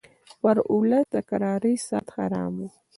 پر اولس د کرارۍ ساعت حرام وو